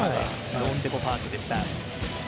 ローンデポ・パークでした。